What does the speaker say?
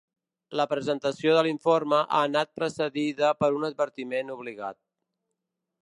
La presentació de l’informe ha anat precedida per un advertiment obligat.